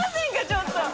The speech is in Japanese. ちょっと。